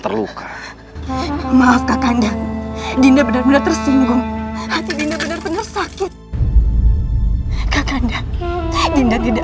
terluka maaf kakaknya dinda benar benar tersinggung hati dinda benar benar sakit kakak anda dinda tidak